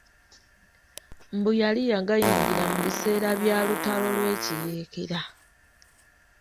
Mbu yali yagayingira mu biseera bya lutalo lw'ekiyeekera.